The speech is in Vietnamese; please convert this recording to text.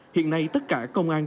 hiện nay tất cả công an